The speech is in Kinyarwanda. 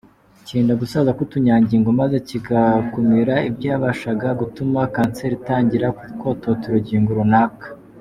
Kirinda gusaza k’utunyangingo maze kigakumira ibyabashaga gutuma kanseri itangira kototera urugingo runaka.